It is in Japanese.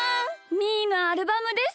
みーのアルバムです。